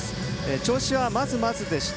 調子は、まずまずでした。